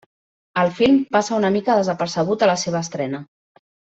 El film passa una mica desapercebut a la seva estrena.